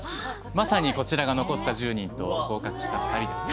まさにこちらが残った１０人合格した２人ですね。